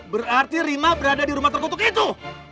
berarti rima berada di rumah terkutuk itu